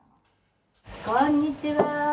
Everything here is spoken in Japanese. こんにちは。